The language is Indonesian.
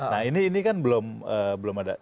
nah ini kan belum ada